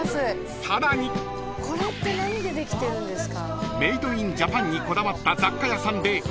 これって何でできてるんですか？